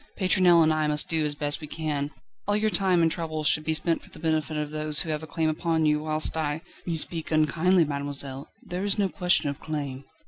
Pétronelle and I must do as best we can. All your time and trouble should be spent for the benefit of those who have a claim upon you, whilst I ..." "You speak unkindly, mademoiselle; there is no question of claim."